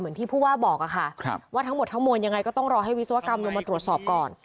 ที่ผู้ว่าบอกค่ะว่าทั้งหมดทั้งมวลยังไงก็ต้องรอให้วิศวกรรมลงมาตรวจสอบก่อน